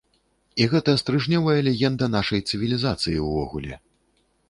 І гэта стрыжнёвая легенда нашай цывілізацыі ўвогуле.